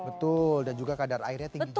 betul dan juga kadar airnya tinggi juga